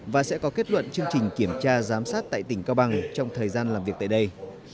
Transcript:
và sẽ có kết luận chương trình kiểm tra giám sát tại tỉnh cao bằng trong thời gian làm việc tại đây